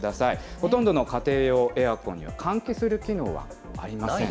ほとんどの家庭用エアコンの換気する機能はありません。